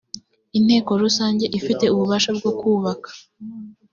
inteko rusange ifite ububasha bwo kubaka